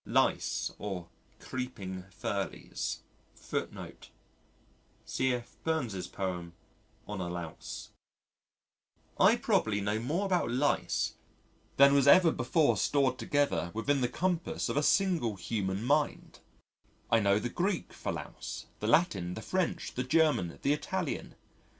Lice or "Creeping Ferlies" I probably know more about Lice than was ever before stored together within the compass of a single human mind! I know the Greek for Louse, the Latin, the French, the German, the Italian.